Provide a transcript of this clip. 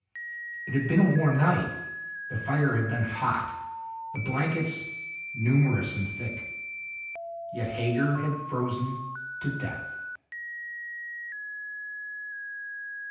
It had been a warm night. The fire had been, hot, the blankets numerous and thick. Yet Hager had frozen to death.